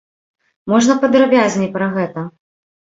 Можна падрабязней пра гэта?